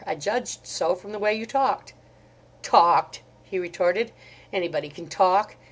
I judged so from the way you talked." "Talked!" he retorted. "Anybody can talk.